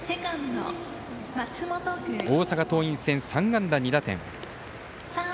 松本、大阪桐蔭戦３安打２打点。